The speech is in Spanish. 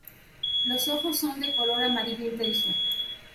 Los ojos son de color amarillo intenso.